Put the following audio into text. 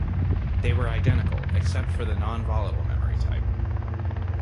They were identical except for the non-volatile memory type.